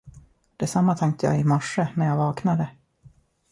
Detsamma tänkte jag i morse, när jag vaknade.